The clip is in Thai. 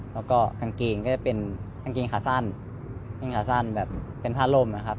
แล้วก็กางเกงก็จะเป็นกางเกงขาสั้นเกงขาสั้นแบบเป็นผ้าล่มนะครับ